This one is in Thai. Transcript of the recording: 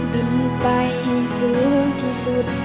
บินไปสูงที่สุด